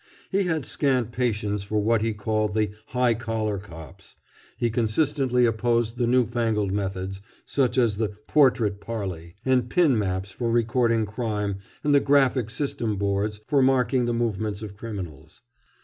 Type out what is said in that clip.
He had scant patience with what he called the "high collar cops." He consistently opposed the new fangled methods, such as the Portrait Parle, and pin maps for recording crime, and the graphic system boards for marking the movements of criminals.